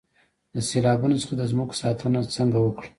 د سیلابونو څخه د ځمکو ساتنه څنګه وکړم؟